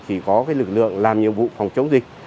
thì có lực lượng làm nhiệm vụ phòng chống dịch